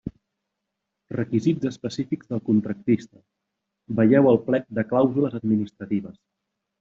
Requisits específics del contractista: veieu el plec de clàusules administratives.